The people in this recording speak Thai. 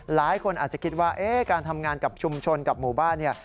หลายคนอาจจะคิดว่าการทำงานกับชุมชนกับหมู่บ้านเนี่ย